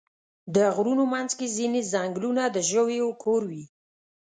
د غرونو منځ کې ځینې ځنګلونه د ژویو کور وي.